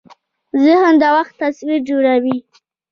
ذهن د وخت تصور جوړوي.